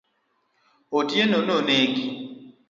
Otieno no negi.